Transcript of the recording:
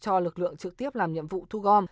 cho lực lượng trực tiếp làm nhiệm vụ thu gom